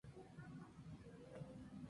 Es un endemismo canario.